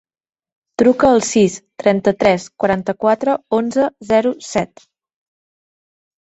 Truca al sis, trenta-tres, quaranta-quatre, onze, zero, set.